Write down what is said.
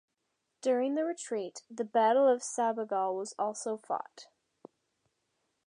During the retreat, the Battle of Sabugal was also fought.